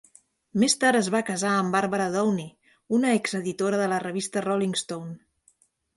Més tard es va casar amb Barbara Downey, una exeditora de la revista 'Rolling Stone'.